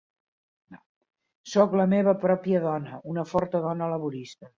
Soc la meva pròpia dona, una forta dona laborista.